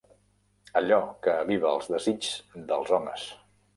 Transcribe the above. Allò que aviva els desigs dels homes.